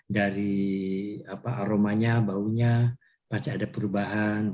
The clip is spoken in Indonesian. dari aromanya baunya pasti ada perubahan